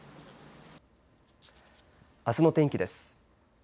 あすの天気です。